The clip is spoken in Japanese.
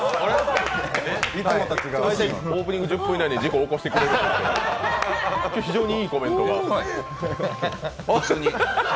大体オープニング１０分で事故を起こしてくれるのに今日、非常にいいコメントが。